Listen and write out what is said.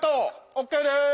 ＯＫです！